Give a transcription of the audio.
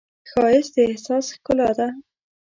ښایست د احساس ښکلا ده